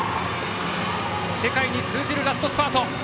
世界に通じるラストスパート。